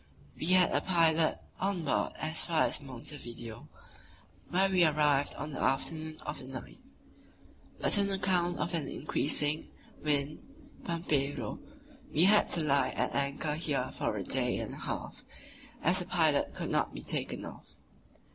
We had a pilot on board as far as Montevideo, where we arrived on the afternoon of the 9th; but on account of an increasing wind (pampero) we had to lie at anchor here for a day and a half, as the pilot could not be taken off.